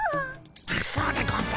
あっそうでゴンス。